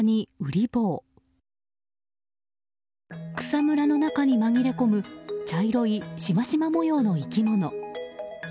草むらの中に紛れ込む茶色いしましま模様の生き物。